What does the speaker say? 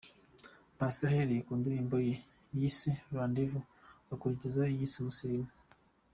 Paccy ahereye ku ndirimbo ye yise ’Rendez-Vous’ akurikizaho iyo yise ’Umusirimu’.